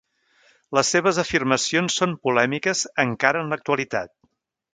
Les seves afirmacions són polèmiques encara en l'actualitat.